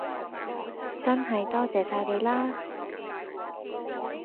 真系多謝晒你啦